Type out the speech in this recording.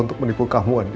untuk menipu kamu andi